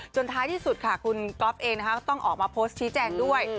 ท้ายที่สุดค่ะคุณก๊อฟเองก็ต้องออกมาโพสต์ชี้แจงด้วย